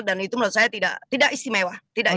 dan itu menurut saya tidak istimewa